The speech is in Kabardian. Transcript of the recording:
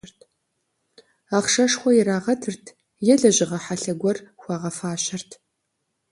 Ахъшэшхуэ ирагъэтырт е лэжьыгъэ хьэлъэ гуэр хуагъэфащэрт.